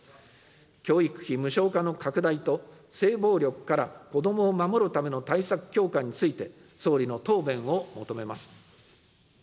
教育費無償化の拡大と、性暴力から子どもを守るための対策強化について、総理の答弁を求めます。